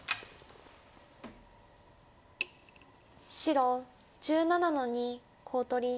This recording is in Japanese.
白１７の二コウ取り。